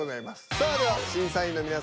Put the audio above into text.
さあでは審査員の皆さん